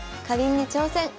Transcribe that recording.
かりんに挑戦！